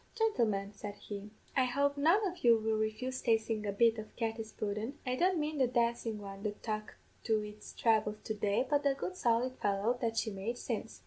"'Gintlemen,' said he, 'I hope none of you will refuse tastin' a bit of Katty's pudden; I don't mane the dancin' one that tuck to its thravels to day, but a good solid fellow that she med since.'